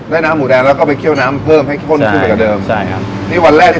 น้ำหมูแดงแล้วก็ไปเคี่ยวน้ำเพิ่มให้ข้นขึ้นไปกว่าเดิมใช่ครับนี่วันแรกที่